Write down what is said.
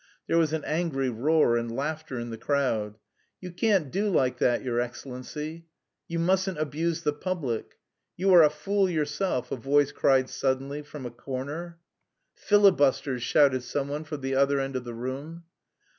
There was an angry roar and laughter in the crowd. "You can't do like that, your Excellency." "You mustn't abuse the public." "You are a fool yourself!" a voice cried suddenly from a corner. "Filibusters!" shouted someone from the other end of the room.